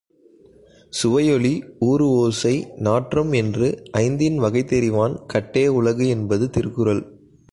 சுவைஒளி ஊறுஓசை நாற்றம்என்று ஐந்தின் வகைதெரிவான் கட்டே உலகு என்பது திருக்குறள்.